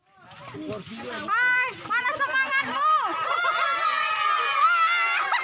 hai mana semangatmu